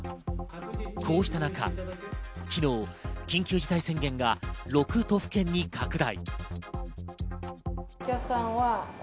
こうした中、昨日、緊急事態宣言が６都府県に拡大。